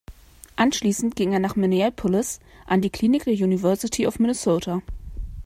Anschließend ging er nach Minneapolis an die Klinik der University of Minnesota.